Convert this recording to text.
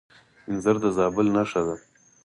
انځر د زابل نښه ده.